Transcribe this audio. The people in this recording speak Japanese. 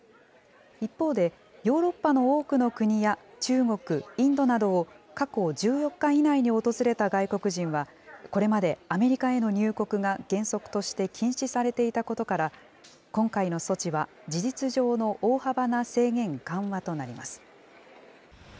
一方で、ヨーロッパの多くの国や中国、インドなどを過去１４日以内に訪れた外国人は、これまでアメリカへの入国が原則として禁止されていたことから、今回の措置は事実上の大幅な制限緩和となります。